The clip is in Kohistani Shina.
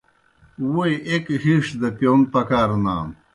ووئی ایْک ہِیݜ دہ پِیون پکار نانوْ۔